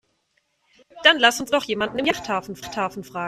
Dann lass uns doch jemanden im Yachthafen fragen.